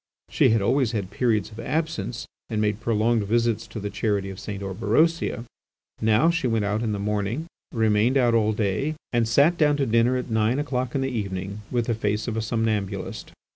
She had always had periods of absence, and made prolonged visits to the Charity of St. Orberosia; now, she went out in the morning, remained out all day, and sat down to dinner at nine o'clock in the evening with the face of a somnambulist.